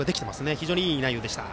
非常にいい内容でした。